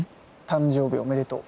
誕生日おめでとう。